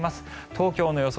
東京の予想